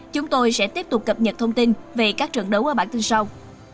chúng tôi sẽ tiếp tục cập nhật thông tin về các trận đấu ở bản tin sau